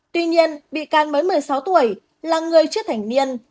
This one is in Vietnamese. tuy nhiên bị can mới một mươi sáu tuổi là người chưa thành niên